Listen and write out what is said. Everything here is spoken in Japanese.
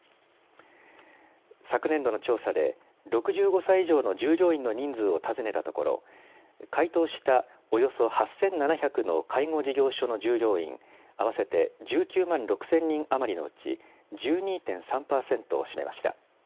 昨年度の調査で６５歳以上の従業員の人数を尋ねたところ回答した、およそ８７００の介護事業所の従業員、合わせて１９万６０００人余りのうち１２．３％を占めました。